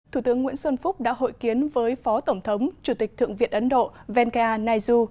thủ tướng nguyễn xuân phúc đã hội kiến với phó tổng thống chủ tịch thượng viện ấn độ venkaya naizu